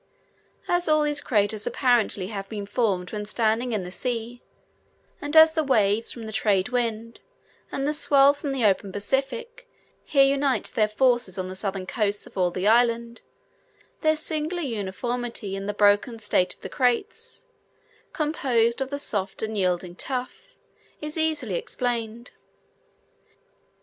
As all these craters apparently have been formed when standing in the sea, and as the waves from the trade wind and the swell from the open Pacific here unite their forces on the southern coasts of all the islands, this singular uniformity in the broken state of the craters, composed of the soft and yielding tuff, is easily explained.